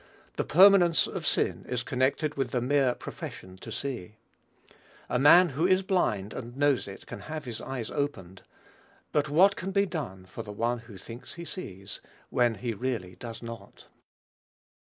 The permanence of sin is connected with the mere profession to see. A man who is blind and knows it, can have his eyes opened; but what can be done for one who thinks he sees, when he really does not?